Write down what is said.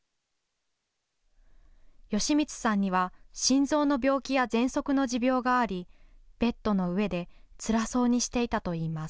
芳満さんには心臓の病気やぜんそくの持病がありベッドの上でつらそうにしていたといいます。